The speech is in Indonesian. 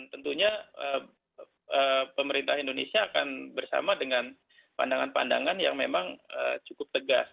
tentunya pemerintah indonesia akan bersama dengan pandangan pandangan yang memang cukup tegas